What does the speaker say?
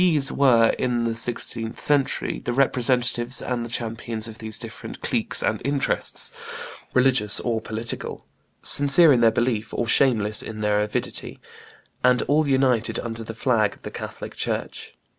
] The Guises were, in the sixteenth century, the representatives and the champions of these different cliques and interests, religious or political, sincere in their belief or shameless in their avidity, and all united under the flag of the Catholic church.